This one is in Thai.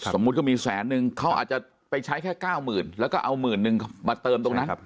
สมมุติก็มีแสนนึงเขาอาจจะไปใช้แค่๙๐๐แล้วก็เอาหมื่นนึงมาเติมตรงนั้น